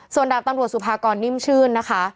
ส่วนดาบตำรวจสุภากรนิ่มชื่นนะคะ